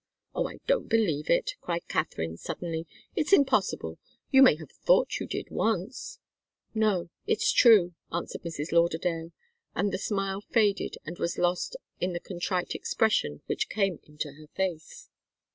"Oh, I don't believe it!" cried Katharine, suddenly. "It's impossible you may have thought you did, once " "No, it's true," answered Mrs. Lauderdale, and the smile faded and was lost in the contrite expression which came into her face.